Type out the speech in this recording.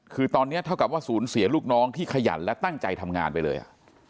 คือตอนนี้เท่ากับว่าสูญเสียลูกน้องที่ขยันและตั้งใจทำงานไปเลย